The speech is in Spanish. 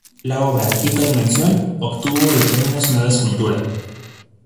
La obra "La Quinta Dimensión" obtuvo el Premio Nacional de Escultura.